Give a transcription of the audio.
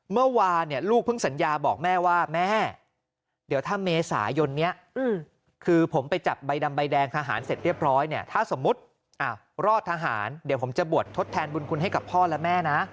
เมื่อวานลูกเพิ่งสัญญาบอกแม่ว่าแม่เดี๋ยวถ้าเมษายนนี้คือผมไปจับใบดำใบแดงทหารเสร็จเรียบร้อยเนี่ยถ้าสมมุติรอดทหารเดี๋ยวผมจะบวชทดแทนบุญคุณให้กับพ่อและแม่นะ